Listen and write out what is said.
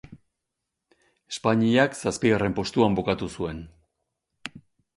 Espainiak zazpigarren postuan bukatu zuen.